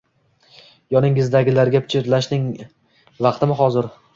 Yoningizdagilarga pichirlashning vaqtimi hozir?